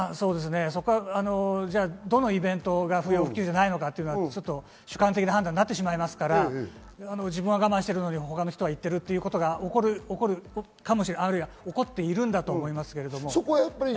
どのイベントが不要不急じゃないのかというのは主観的な判断になってしまいますから、自分は我慢しているのに他の人は行っているということが起こるかもしれない、起こっていると思います。